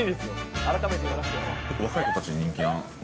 若い子たちに人気が？